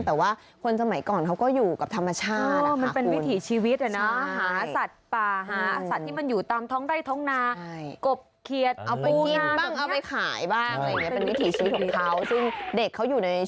แต่ว่าคนสมัยก่อนเขาก็อยู่กับธรรมชาติ